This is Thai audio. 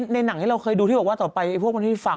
หนังที่เราเคยดูที่บอกว่าต่อไปพวกมันที่ฟัง